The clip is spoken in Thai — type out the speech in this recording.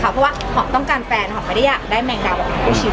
เพราะว่าของต้องการแฟนของไม่ได้ได้แมงดาวน์